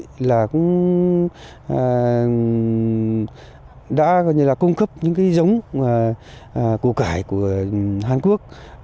hợp tác xã đã cung cấp những giống củ cải của hàn quốc